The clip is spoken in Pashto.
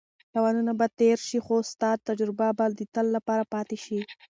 تاوانونه به تېر شي خو ستا تجربه به د تل لپاره پاتې شي.